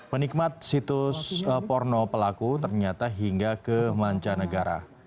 penikmat situs porno pelaku ternyata hingga ke mancanegara